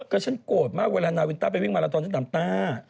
ก็ฉันโกรธมากเวลานาวินต้าไปวิ่งมาแล้วตอนนั้นดามต้า